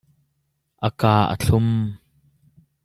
A ka a thlum.